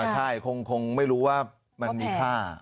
ใช่คงไม่รู้ว่ามันมีค่า